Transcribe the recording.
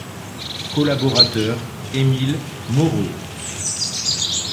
Collaborateur Emile Moreau.